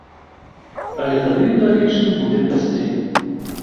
Але тады ў далейшым будзе прасцей.